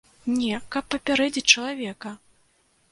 Не, каб папярэдзіць чалавека!